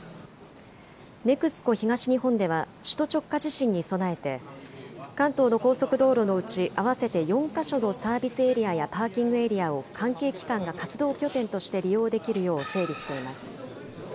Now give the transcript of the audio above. ＮＥＸＣＯ東日本では、首都直下地震に備えて、関東の高速道路のうち、合わせて４か所のサービスエリアやパーキングエリアを、関係機関が活動拠点として利用できるよう整備しています。